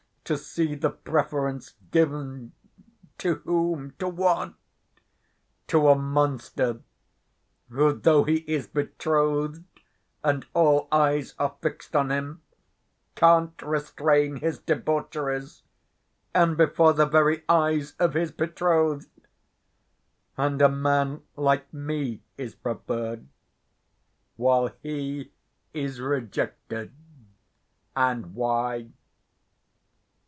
To see the preference given—to whom, to what? To a monster who, though he is betrothed and all eyes are fixed on him, can't restrain his debaucheries—and before the very eyes of his betrothed! And a man like me is preferred, while he is rejected. And why?